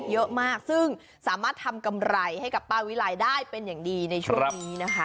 เยอะมากซึ่งสามารถทำกำไรให้กับป้าวิไลได้เป็นอย่างดีในช่วงนี้นะคะ